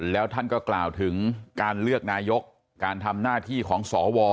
แล้วท่านก็กล่าวถึงการเลือกนายกการทำหน้าที่ของสว